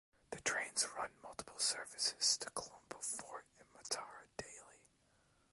The trains run multiple services to Colombo Fort and Matara daily.